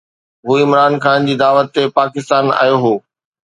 هو عمران خان جي دعوت تي پاڪستان آيو هو.